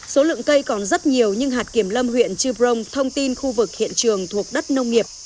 số lượng cây còn rất nhiều nhưng hạt kiểm lâm huyện chư prong thông tin khu vực hiện trường thuộc đất nông nghiệp